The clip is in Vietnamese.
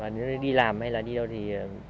nếu đi làm hay đi đâu thì